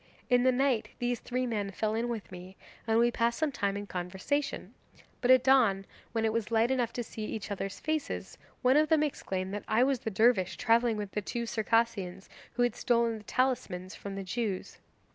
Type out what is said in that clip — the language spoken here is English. In the night these three men fell in with me, and we passed some time in conversation, but at dawn, when it was light enough to see each other's faces, one of them exclaimed that I was the dervish travelling with the two Circassians who had stolen the talismans from the Jews.